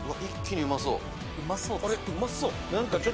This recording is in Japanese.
うまそう！